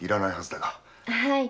はい。